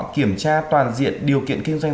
kiểm tra toàn diện điều kiện kinh doanh